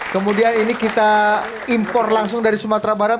kemudian ini kita impor langsung dari sumatera barat